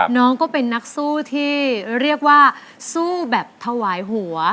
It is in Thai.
น้องก็เป็นนักสู้ที่เรียกว่าสู้แบบถวายหัว